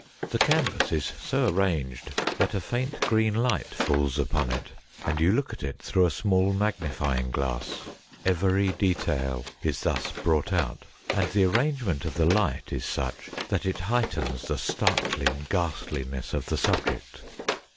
The canvas is so arranged that a faint green light falls upon it, and you look at it through a small magnifying glass. Every de tail is thus brought out, and the arrangement of the light is such that it heightens the startling ghastliness of the subject.